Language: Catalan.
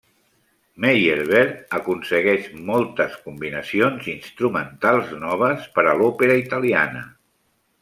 Meyerbeer aconsegueix moltes combinacions instrumentals noves per a l'òpera italiana.